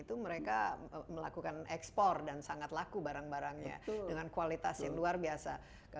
itu mereka melakukan ekspor dan sangat laku barang barangnya dengan kualitas yang luar biasa